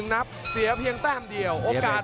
๑นับเสียเพียงแต้มเดียว